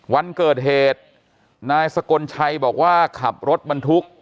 วันเกิดเหตุนายสกลชัยบอกว่าขับรถบรรทุก